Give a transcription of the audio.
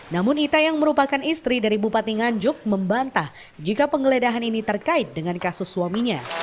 namun ita yang merupakan istri dari bupati nganjuk membantah jika penggeledahan ini terkait dengan kasus suaminya